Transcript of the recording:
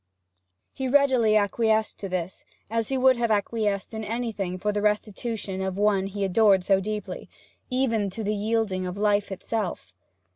He readily acquiesced in this, as he would have acquiesced in anything for the restitution of one he adored so deeply even to the yielding of life itself.